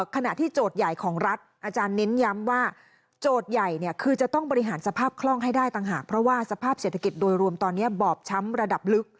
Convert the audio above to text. ขณะที่โจทย์ใหญ่ของรัฐอาจารย์เน้นย้ำว่าโจทย์ใหญ่คือจะต้องบริหารสภาพคล่องให้ได้ต่างหากเพราะว่าสภาพเศรษฐกิจโดยรวมตอนนี้บอบช้ำระดับลึก